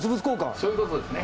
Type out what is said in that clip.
そういうことですね。